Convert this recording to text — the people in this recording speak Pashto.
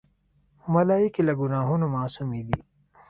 ملایکې له ګناهونو معصومی دي.